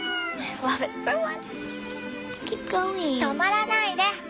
止まらないで。